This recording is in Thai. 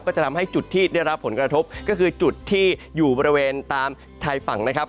จะทำให้จุดที่ได้รับผลกระทบก็คือจุดที่อยู่บริเวณตามชายฝั่งนะครับ